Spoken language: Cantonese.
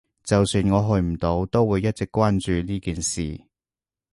就算我去唔到，都會一直關注呢件事